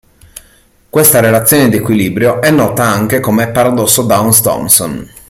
Questa relazione di equilibrio è nota anche come "Paradosso Downs-Thomson".